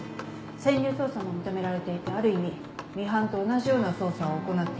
潜入捜査も認められていてある意味ミハンと同じような捜査を行っています。